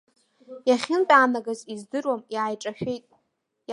Иахьынтәаанагаз издыруам, иааиҿашәеит.